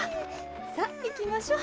さあいきましょう。